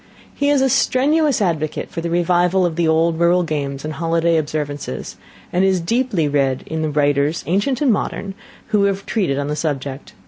He is a strenuous advocate for the revival of the old rural games and holiday observances, and is deeply read in the writers, ancient and modern, who have treated on the subject.